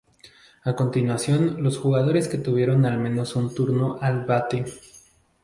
A continuación los jugadores que tuvieron al menos un turno al bate.